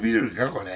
これ。